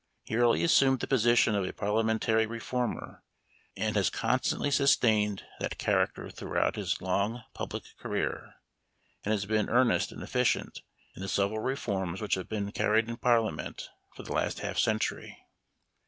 He early assumed the position of a Parliamentary reformer, and has constantly sustained that character throughout his long public career, and has been earnest and efficient in the several reforms which have been carried in Parliament for the last half century.